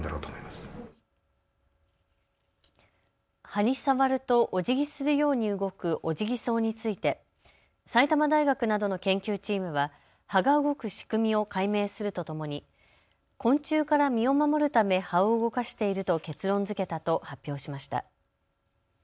葉に触るとおじぎするように動くオジギソウについて埼玉大学などの研究チームは葉が動く仕組みを解明するとともに、昆虫から身を守るため葉を動かしていると結論づけたと発表しました。